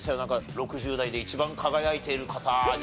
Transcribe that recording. ６０代で一番輝いている方に。